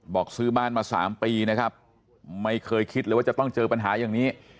ซื้อบ้านมา๓ปีนะครับไม่เคยคิดเลยว่าจะต้องเจอปัญหาอย่างนี้